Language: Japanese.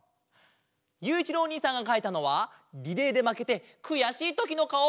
ゆういちろうおにいさんがかいたのはリレーでまけてくやしいときのかお。